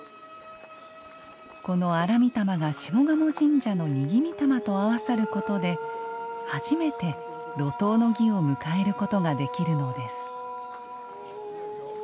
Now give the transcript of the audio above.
この荒御霊が下鴨神社の和魂と合わさることで初めて路頭の儀を迎えることができるのです。